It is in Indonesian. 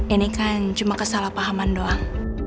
ini kan cuma kesalahpahaman doang